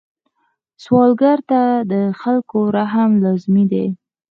سوالګر ته د خلکو رحم لازمي دی